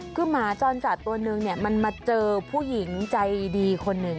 คือหมาจรจัดตัวนึงเนี่ยมันมาเจอผู้หญิงใจดีคนหนึ่ง